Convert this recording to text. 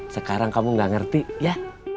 sekarang kamu gak ngerti ya